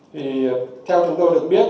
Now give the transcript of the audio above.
thì theo chúng tôi được biết